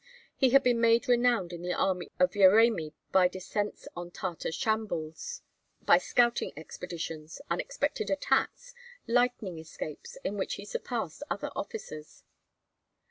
He had been made renowned in the army of Yeremi by descents on Tartar chambuls, by scouting expeditions, unexpected attacks, lightning escapes, in which he surpassed other officers.